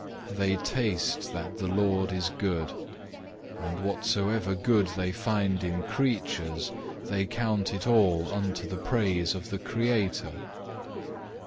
They taste that the Lord is good, and whatsoever good they find in creatures, they count it all unto the praise of the Creator.